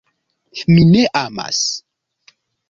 "Mi ne amas."